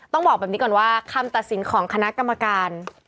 ต้องบอกแบบนี้ก่อนว่าคำตัดสินของคณะกรรมการ